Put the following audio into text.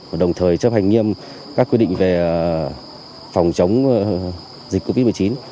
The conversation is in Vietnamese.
và đồng thời chấp hành nhiệm các quyết định về phòng chống dịch covid một mươi chín